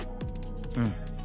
うん。